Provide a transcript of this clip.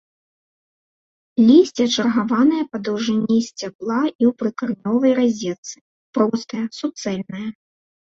Лісце чаргаванае па даўжыні сцябла і ў прыкаранёвай разетцы, простае, суцэльнае.